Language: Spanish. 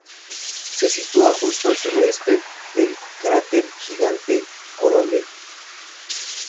Se sitúa justo al suroeste del cráter gigante Korolev.